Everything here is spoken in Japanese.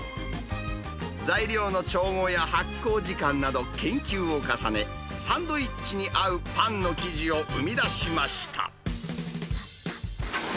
材料の調合や発酵時間など、研究を重ね、サンドイッチに合うパンの生地を生み出しました。